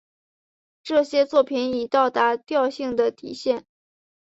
这些作品已到达调性的底线。